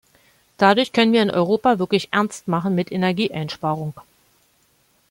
Dadurch können wir in Europa wirklich Ernst machen mit Energieeinsparung.